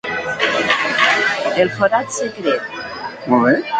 El forat secret.